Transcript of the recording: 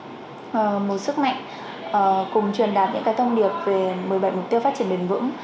để tạo nên một sức mạnh cùng truyền đạt những cái thông điệp về một mươi bảy mục tiêu phát triển bền vững